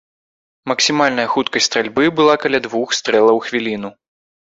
Максімальная хуткасць стральбы была каля двух стрэлаў у хвіліну.